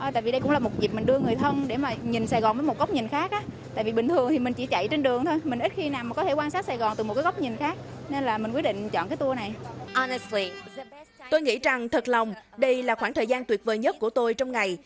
tôi nghĩ rằng thật lòng đây là khoảng thời gian tuyệt vời nhất của tôi trong ngày